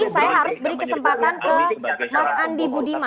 saya harus beri kesempatan ke mas andi budiman